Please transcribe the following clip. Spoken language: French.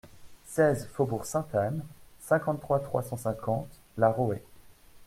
seize faubourg Sainte-Anne, cinquante-trois, trois cent cinquante, La Roë